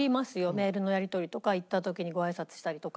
メールのやり取りとか行った時にごあいさつしたりとか。